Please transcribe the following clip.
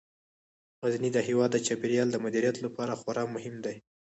غزني د هیواد د چاپیریال د مدیریت لپاره خورا مهم دی.